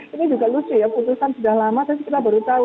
ini juga lucu ya putusan sudah lama tapi kita baru tahu